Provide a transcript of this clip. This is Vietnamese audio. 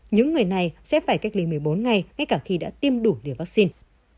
những người này sẽ phải cách ly một mươi bốn ngày ngay cả khi đã tiêm đủ liều vaccine